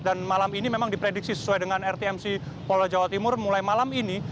dan malam ini memang diprediksi sesuai dengan rtmc pola jawa timur mulai malam ini